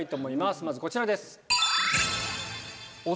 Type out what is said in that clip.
まずこちらです。